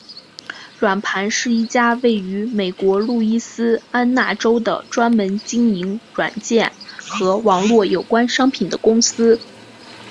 软盘是一家位于美国路易斯安那州的专门经营软件和网络有关商品的公司。